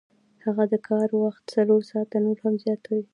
هغه د کار وخت څلور ساعته نور هم زیاتوي